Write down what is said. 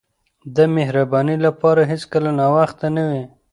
د مهربانۍ لپاره هیڅکله ناوخته نه وي.